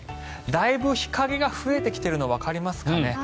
だいぶ日陰が増えてきているのわかりますかね。